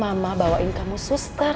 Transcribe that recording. mama bawa kamu suster